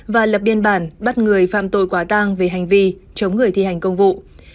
và lập biên bản bắt người phạm tội quá tăng về hành vi chống người thi hành công vụ